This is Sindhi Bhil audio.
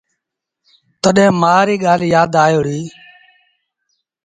تڏهيݩ مآ ريٚ ڳآل يآد آئي وُهڙي۔